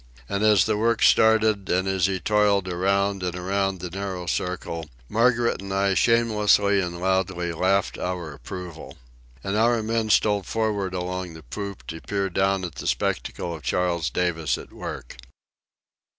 And as the work started, and as he toiled around and around the narrow circle, Margaret and I shamelessly and loudly laughed our approval. And our own men stole for'ard along the poop to peer down at the spectacle of Charles Davis at work.